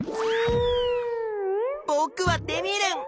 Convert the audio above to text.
ぼくはテミルン！